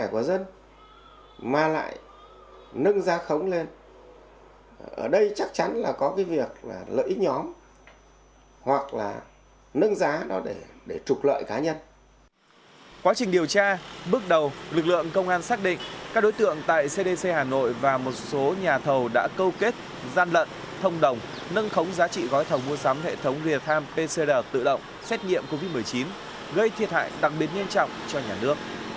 quá trình điều tra bước đầu lực lượng công an xác định các đối tượng tại cdc hà nội và một số nhà thầu đã câu kết gian lận thông đồng nâng khống giá trị gói thầu mua sắm hệ thống rìa tham pcr tự động xét nghiệm covid một mươi chín gây thiệt hại đặc biệt nguyên trọng cho nhà nước